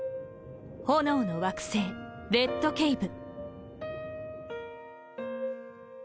炎の惑星レッドケイブ。